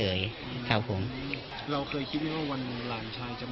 เราเคยคิดว่าวันหลังชายจะเมายาแล้วมาฆ่าเขา